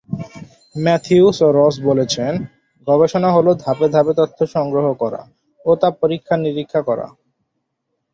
Matthews ও Ross বলছেন, গবেষণা হলো ধাপে ধাপে তথ্য সংগ্রহ করা ও তা পরীক্ষা-নিরীক্ষা করা।